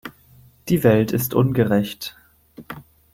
Die Welt ist ungerecht.